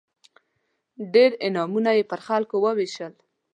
ډېر انعامونه یې پر خلکو ووېشل.